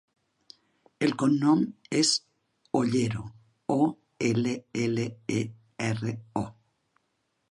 El cognom és Ollero: o, ela, ela, e, erra, o.